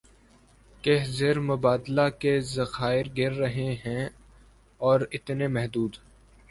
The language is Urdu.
کہ زر مبادلہ کے ذخائر گر رہے ہیں اور اتنے محدود